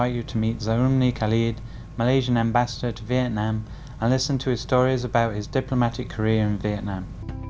sau đó chúng tôi muốn gặp gặp jamroony khalid đại sứ malaysia tại việt nam và nghe những câu chuyện về việc làm đại sứ việt nam